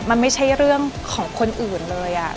มันไม่ใช่เรื่องของคนอื่นเลย